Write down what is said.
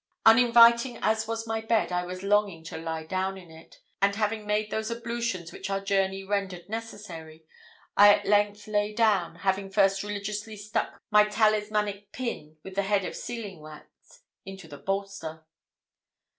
Uninviting as was my bed, I was longing to lie down in it; and having made those ablutions which our journey rendered necessary, I at length lay down, having first religiously stuck my talismanic pin, with the head of sealing wax, into the bolster.